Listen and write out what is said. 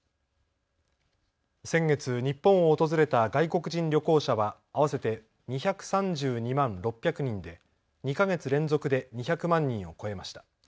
先月、日本を訪れた外国人旅行者は合わせて２３２万６００人で２か月連続で２００万人を超えました。